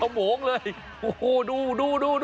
ควันเขาโม้งเลยโอ้โหดู